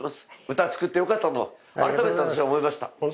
歌作ってよかったと改めて私は思いました。